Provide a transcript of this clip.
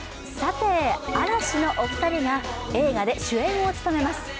嵐のお二人が映画で主演を務めます。